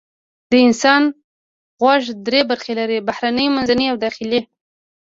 د انسان غوږ درې برخې لري: بهرنی، منځنی او داخلي.